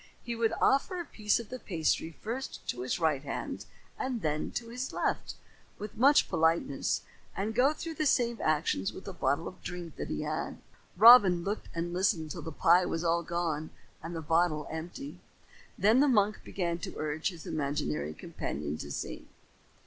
He would offer a piece of the pasty first to his right hand and then to his left, with much politeness, and go through the same actions with a bottle of drink that he had. Robin looked and listened till the pie was all gone and the bottle empty. Then the monk began to urge his imaginary companion to sing.